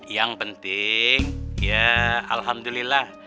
yang penting ya alhamdulillah